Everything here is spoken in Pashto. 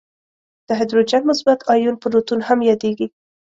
د هایدروجن مثبت آیون پروتون هم یادیږي.